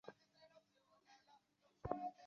অনেক অস্বস্তি লাগে।